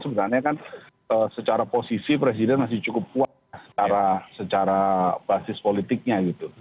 sebenarnya kan secara posisi presiden masih cukup kuat secara basis politiknya gitu